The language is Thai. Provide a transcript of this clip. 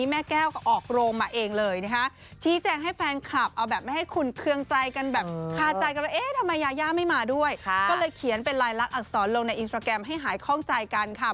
แบบขาดใจกันว่าเอ๊ะทำไมยาย่าไม่มาด้วยก็เลยเขียนเป็นลายลักษณ์อักษรลงในอินสตราแกรมให้หายข้องใจกันค่ะ